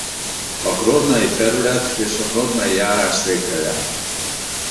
A Hrodnai terület és a Hrodnai járás székhelye.